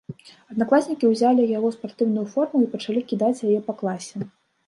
Аднакласнікі ўзялі яго спартыўную форму і пачалі кідаць яе па класе.